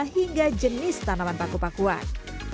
hingga jenis tanaman paku pakuan